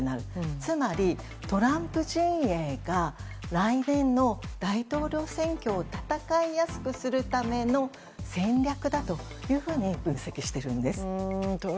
つまり、トランプ陣営が来年の大統領選挙を戦いやすくするための戦略だというふうに分析しているんです。